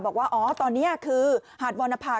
บอกว่าอ๋อตอนนี้คือหาดวรรณภา